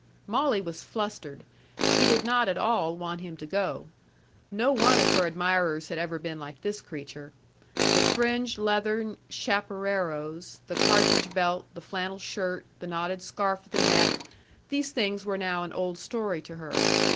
Molly was flustered. She did not at all want him to go. No one of her admirers had ever been like this creature. The fringed leathern chaparreros, the cartridge belt, the flannel shirt, the knotted scarf at the neck, these things were now an old story to her.